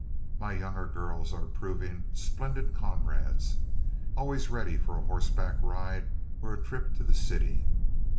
My younger girls are proving splendid comrades, always ready for a horseback ride or a trip to the city.